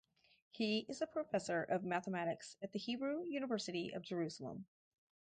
He is a Professor of Mathematics at the Hebrew University of Jerusalem.